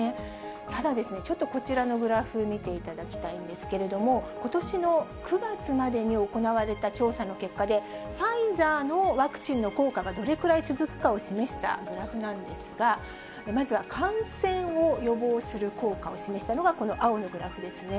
ただですね、ちょっとこちらのグラフ見ていただきたいんですけれども、ことしの９月までに行われた調査の結果で、ファイザーのワクチンの効果がどれくらい続くかを示したグラフなんですが、まずは感染を予防する効果を示したのが、この青のグラフですね。